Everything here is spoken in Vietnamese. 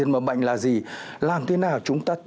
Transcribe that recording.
mầm bệnh là gì làm thế nào chúng ta